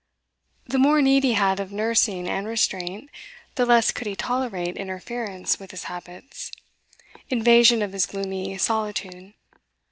The more need he had of nursing and restraint, the less could he tolerate interference with his habits, invasion of his gloomy solitude.